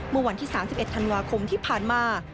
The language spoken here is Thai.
เมื่อวันที่๓๑ธันวาคมที่ผ่านมา